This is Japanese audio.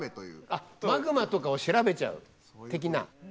あっマグマとかを調べちゃう的な？